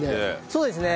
そうですね。